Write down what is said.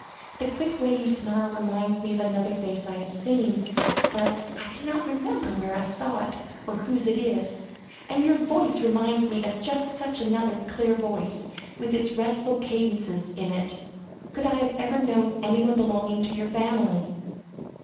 The quick way you smile, reminds me of another face I have seen, but I cannot remember where I saw it, or whose it is. And your voice reminds me of just such another clear voice, with restful cadences in it. Could I ever have known anyone belonging to your family?"